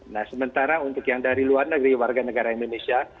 nah sementara untuk yang dari luar negeri warga negara indonesia